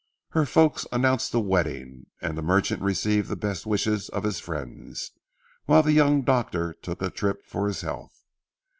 Her folks announced the wedding, and the merchant received the best wishes of his friends, while the young doctor took a trip for his health.